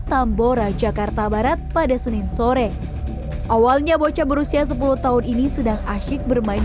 tambora jakarta barat pada senin sore awalnya bocah berusia sepuluh tahun ini sedang asyik bermain